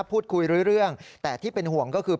พูดคุยรู้เรื่องแต่ที่เป็นห่วงก็คือ